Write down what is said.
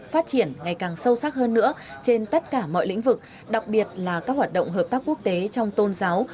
phát triển ngày càng sâu sắc hơn nữa trên tất cả mọi lĩnh vực đặc biệt là các hoạt động hợp tác quốc tế trong tôn giáo